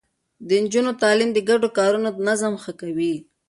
د نجونو تعليم د ګډو کارونو نظم ښه کوي.